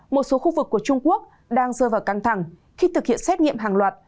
một số khu vực của trung quốc đang rơi vào căng thẳng khi thực hiện xét nghiệm hàng loạt